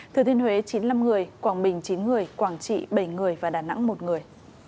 thừa thiên huế chín mươi năm người quảng bình chín người quảng trị bảy người và đà nẵng một người